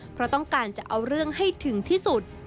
เพราะต้องการจะเอาเรื่องให้ถึงที่สุด